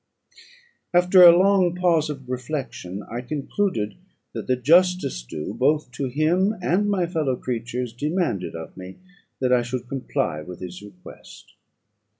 After a long pause of reflection, I concluded that the justice due both to him and my fellow creatures demanded of me that I should comply with his request.